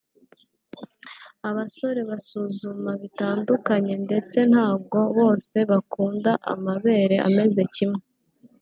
Abasore basuzuma bitandukanye ndetse ntabwo bose bakunda amabere ameze kimwe